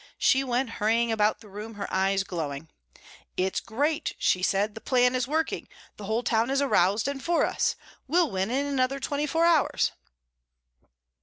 She went hurrying about the room, her eyes glowing. "It's great," she said. "The plan is working. The whole town is aroused and for us. We'll win in another twenty four hours."